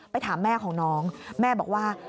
ถามแม่ของน้องแม่บอกว่า